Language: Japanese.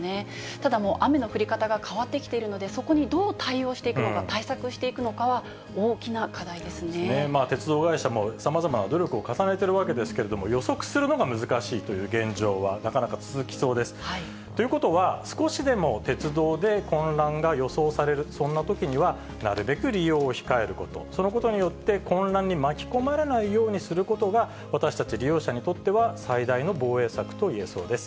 ただもう、雨の降り方が変わってきているので、そこにどう対応していくのか、対策していくのかは、大きな課題鉄道会社もさまざまな努力を重ねてるわけですけれども、予測するのが難しいという現状はなかなか続きそうです。ということは、少しでも鉄道で混乱が予想される、そんなときには、なるべく利用を控えること、そのことによって、混乱に巻き込まれないようにすることが、私たち利用者にとっては、最大の防衛策といえそうです。